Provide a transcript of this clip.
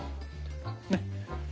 ねっ。